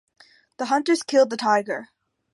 The hunters killed the tiger.